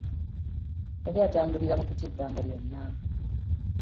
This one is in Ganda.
Yali atambulira mu kutya ebbanga lyonna.